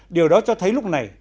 điều đó cho thấy lúc này